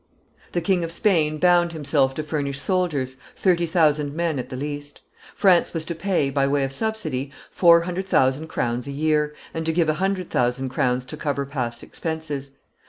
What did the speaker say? The King of Sweden bound himself to furnish soldiers, thirty thousand men at the least; France was to pay, by way of subsidy, four hundred thousand crowns a year, and to give a hundred thousand crowns to cover past expenses.